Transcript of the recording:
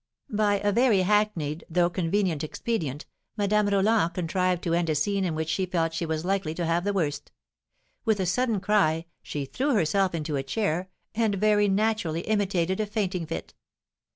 "By a very hackneyed, though convenient expedient, Madame Roland contrived to end a scene in which she felt she was likely to have the worst. With a sudden cry she threw herself into a chair, and very naturally imitated a fainting fit.